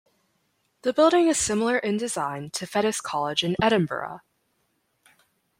The building is similar in design to Fettes College in Edinburgh.